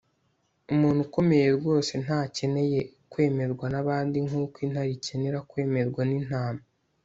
umuntu ukomeye rwose ntakeneye kwemerwa nabandi nkuko intare ikenera kwemerwa n'intama